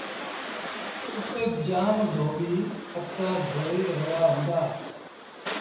اُت جآم ڌوٻيٚ ڪپڙآ دوئي رهيآ هُݩدآ۔